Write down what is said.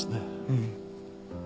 うん。